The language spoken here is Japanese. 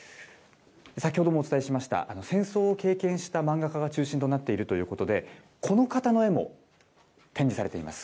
先ほどもお伝えしました、戦争を経験した漫画家が中心となっているということで、この方の絵も展示されています。